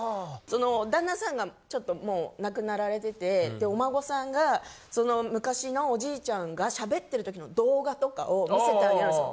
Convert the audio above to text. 旦那さんがもう亡くなられててお孫さんがその昔のおじいちゃんが喋ってる時の動画とかを見せてあげるんですよ。